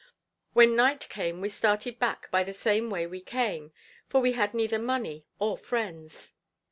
When night came, we started back by the same way we came, for we had neither money or friends.